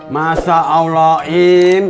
masa allah im